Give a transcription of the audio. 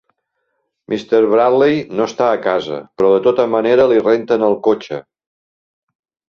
Mr. Bradley no està a casa, però de tota manera li renten el cotxe.